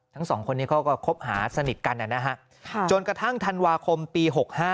ทั้งสองคนนี้เขาก็คบหาสนิทกันนะฮะจนกระทั่งธันวาคมปี๖๕